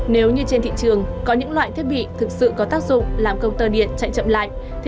nếu như trên thị trường có những loại thiết bị thực sự có tác dụng làm công tơ điện chạy chậm lại